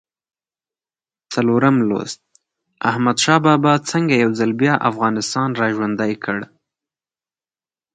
څلورم لوست: احمدشاه بابا څنګه یو ځل بیا افغانستان را ژوندی کړ؟